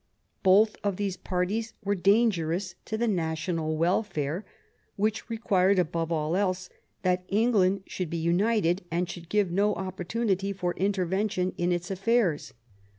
Both of these parties were dangerous to the national welfare, which re quired, above all else, that England should be united and should give no opportunity for intervention in its affairs.